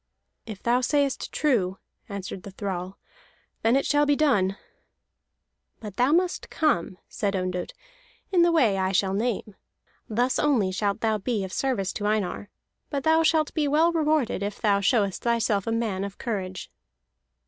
"If thou sayest true," answered the thrall, "then it shall be done." "But thou must come," said Ondott, "in the way I shall name. Thus only shalt thou be of service to Einar; but thou shalt be well rewarded if thou showest thyself a man of courage."